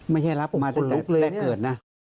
ไม่ใช่รับมาตั้งแต่เกิดนะ